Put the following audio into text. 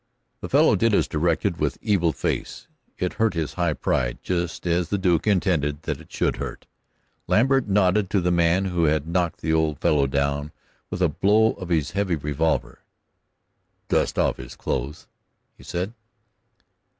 The fellow did as directed, with evil face, for it hurt his high pride, just as the Duke intended that it should hurt. Lambert nodded to the man who had knocked the old fellow down with a blow of his heavy revolver. "Dust off his clothes," he said.